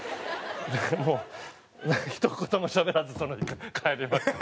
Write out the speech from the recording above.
もうひと言もしゃべらずその日帰りました。